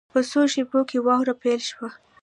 په څو شېبو کې واوره پیل شوه.